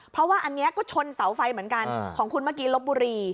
เพราะว่าอันนี้ก็ชนเสาไฟเหมือนกันของคุณเมื่อกี้ลบบุรี